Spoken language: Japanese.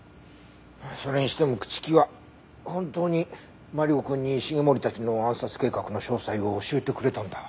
それにしても朽木は本当にマリコくんに繁森たちの暗殺計画の詳細を教えてくれたんだ。